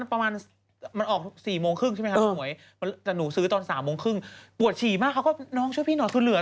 ค่าทำผมหายหมดเลย